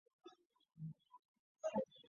昔日罗马城市的存在仍未被证实。